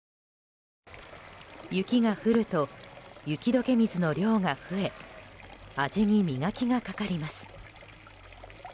雪が降ると、雪解け水の量が増え味に磨きがかかります。